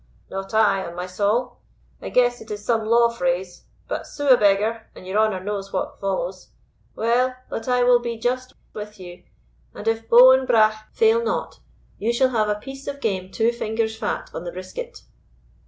_" "Not I, on my saul. I guess it is some law phrase; but sue a beggar, and—your honour knows what follows. Well, but I will be just with you, and if bow and brach fail not, you shall have a piece of game two fingers fat on the brisket."